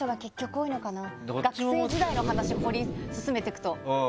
学生時代の話掘り進めてくとあれ？